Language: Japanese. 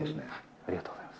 ありがとうございます。